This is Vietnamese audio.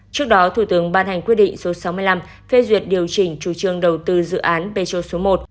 trước đó thủ tướng ban hành quyết định số sáu mươi năm phê duyệt điều chỉnh chủ trương đầu tư dự án petro số một